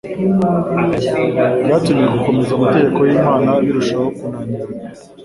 byatumye gukomeza amategeko y'Imana birushaho kunanirana.